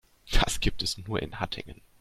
Das gibt es nur in Hattingen